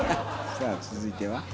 さあ続いては？